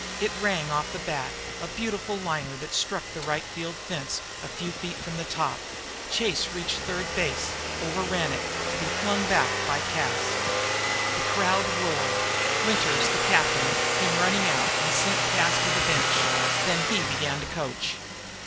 It rang off the bat, a beautiful liner that struck the right field fence a few feet from the top. Chase reached third base, overran it, to be flung back by Cas. The crowd roared. Winters, the captain, came running out and sent Cas to the bench. Then he began to coach.